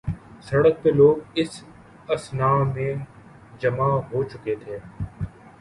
سڑک پہ لوگ اس اثناء میں جمع ہوچکے تھے۔